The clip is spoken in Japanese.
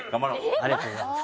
ありがとうございます。